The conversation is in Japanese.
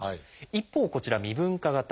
一方こちら未分化型。